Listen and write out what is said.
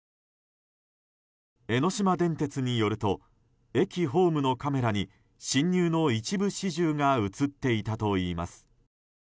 江ノ島電鉄によると駅ホームのカメラに進入の一部始終が映っていたといいます。